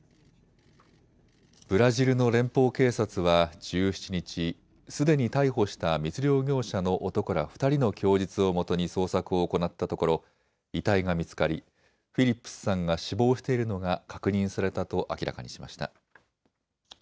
ブラジルの連邦警察は１７日、すでに逮捕した密漁業者の男ら２人の供述をもとに捜索を行ったところ遺体が見つかりフィリップスさんが死亡しているのが確認されたと明らかにしました。